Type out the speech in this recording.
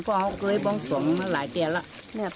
พวกเขาเคยป้องสวงมาหลายเดียวแล้ว